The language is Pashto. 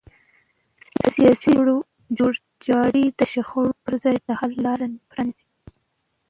سیاسي جوړجاړی د شخړو پر ځای د حل لاره پرانیزي